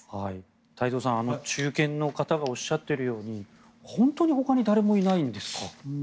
太蔵さん、中堅の方がおっしゃっているように本当にほかに誰もいないんですか？